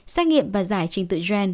xét nghiệm và giải trình tựa gen